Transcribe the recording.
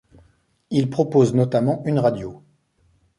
Il propose notamment une radio.